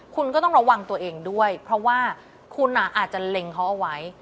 คุณก็ต้องระวังตัวเองด้วยเพราะว่าคุณอาจจะเล็งเขาเอาไว้